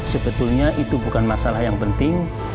sebetulnya itu bukan masalah yang penting